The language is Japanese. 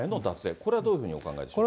これはどういうふうにお考えでしょうか。